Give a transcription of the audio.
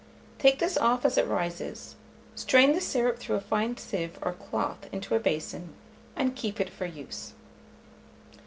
Take this off as it rises, strain the syrup through a fine sieve or cloth into a basin, and keep it for use.